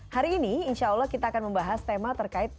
hari ini insya allah kita akan membahas tema terkait